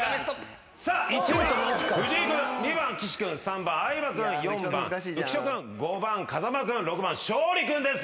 １番藤井君２番岸君３番相葉君４番浮所君５番風間君６番勝利君です。